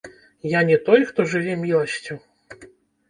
Я не той, хто жыве міласцю.